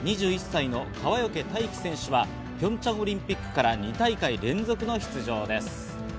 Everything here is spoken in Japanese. ２１歳の川除大輝選手はピョンチャンオリンピックから２大会連続の出場です。